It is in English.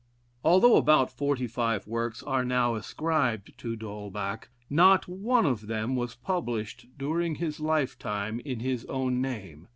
Although about forty five works are now ascribed to D'Holbach, not one of them was published during his life time in his own name.